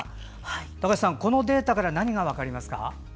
高橋さん、このデータから何が分かりますか？